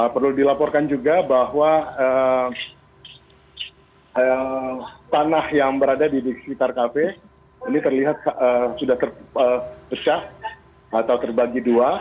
perlu dilaporkan juga bahwa tanah yang berada di sekitar kafe ini terlihat sudah terpecah atau terbagi dua